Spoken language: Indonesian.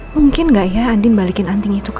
mungkin gak ya ndin balikin anting itu ke aku